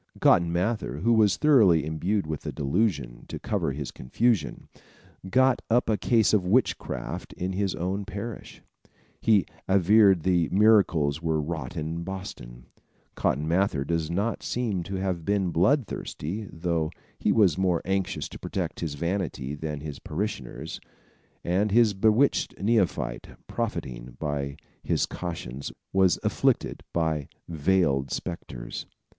Cotton Mather, who was thoroughly imbued with the delusion, to cover his confusion, got up a case of witchcraft in his own parish. He averred that miracles were wrought in Boston. Cotton Mather does not seem to have been bloodthirsty, though he was more anxious to protect his vanity than his parishioners, and his bewitched neophyte, profiting by his cautions, was afflicted by veiled spectres.